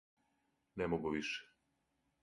Не могу више.